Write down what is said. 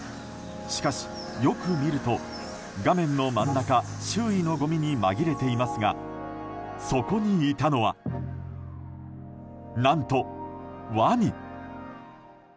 しかし、よく見ると画面の真ん中周囲のごみに紛れていますがそこにいたのは何と、ワニ。